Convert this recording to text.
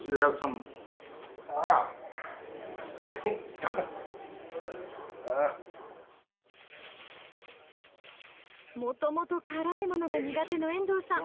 もともと辛いものが苦手の遠藤さん